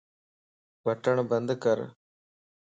بٽڻ بند کر